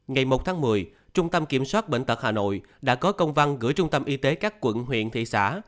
ngày một tháng một mươi trung tâm kiểm soát bệnh tật hà nội đã có công văn gửi trung tâm y tế các quận huyện thị xã